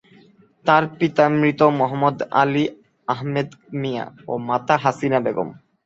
তার পিতা মৃত মো: আলী আহমেদ মিয়া ও মাতা হাসিনা বেগম।